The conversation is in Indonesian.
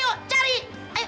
tidak tidak tidak tidak tidak